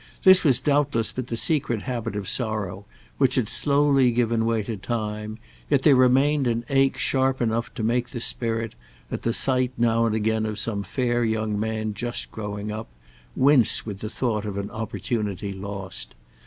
This was doubtless but the secret habit of sorrow, which had slowly given way to time; yet there remained an ache sharp enough to make the spirit, at the sight now and again of some fair young man just growing up, wince with the thought of an opportunity lost.